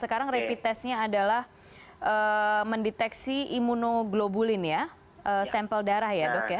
sekarang rapid testnya adalah mendeteksi imunoglobulin ya sampel darah ya dok ya